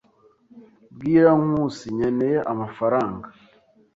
Bwira Nkusi nkeneye amafaranga.